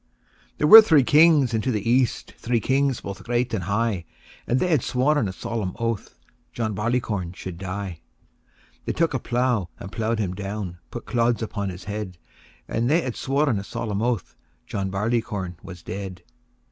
There were three kings into the east, Three kings both great and high; And they hae sworn a solemn oath John Barleycorn should die. II. They took a plough and plough'd him down, Put clods upon his head; And they ha'e sworn a solemn oath John Barleycorn was dead. III.